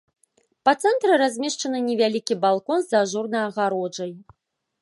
Па цэнтры размешчаны невялікі балкон з ажурнай агароджай.